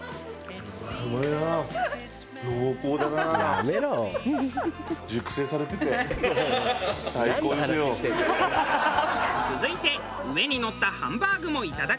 「やめろ」続いて上にのったハンバーグもいただきます。